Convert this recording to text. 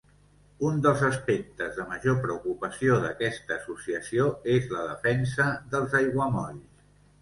Un dels aspectes de major preocupació d'aquesta associació és la defensa dels aiguamolls.